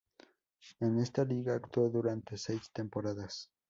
En esta Liga actuó durante seis temporadas.